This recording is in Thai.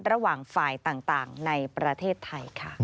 ระหว่างฝ่ายต่างในประเทศไทยค่ะ